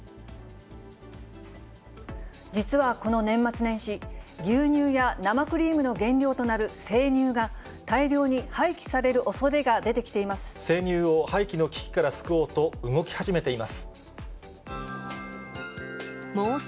実はこの年末年始、牛乳や生クリームの原料となる生乳が、大量に廃棄されるおそれが生乳を廃棄の危機から救おうと動き始めています。